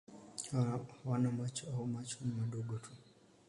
Hawana macho au macho ni madogo tu.